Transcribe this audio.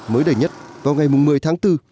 mới đầy nhất vào ngày một mươi tháng bốn